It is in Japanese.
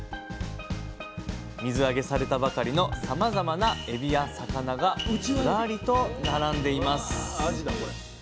水揚げされたばかりのさまざまなエビや魚がずらりと並んでいます。